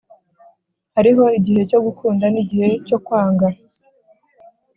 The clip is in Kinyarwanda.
Hariho igihe cyo gukunda n igihe cyo kwanga